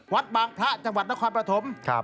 วัดบางพระจังหวัดนครปฐม